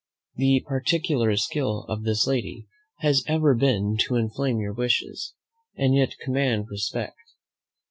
The particular skill of this lady has ever been to inflame your wishes, and yet command respect.